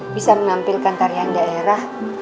bisa menampilkan karyang daerah